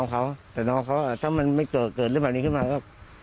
ขอโทษกับมาสิบคิดผมต้องร้อน